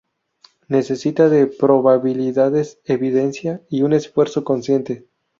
Necesita de probabilidades, evidencia y un esfuerzo consciente.